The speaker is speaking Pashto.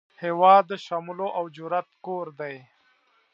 هیواد د شملو او جرئت کور دی